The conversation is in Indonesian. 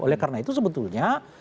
oleh karena itu sebetulnya